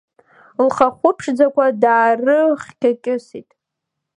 Лхахәы ԥшӡақәа даарыхькьысит.